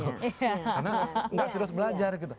karena nggak serius belajar gitu